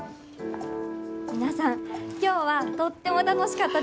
皆さん今日はとっても楽しかったです。